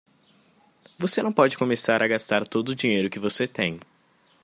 Você não pode começar a gastar todo o dinheiro que você tem.